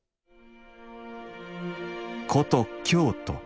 古都京都。